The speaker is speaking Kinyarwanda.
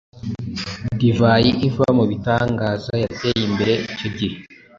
Divayi iva mubitangaza yateye imbere icyo gihe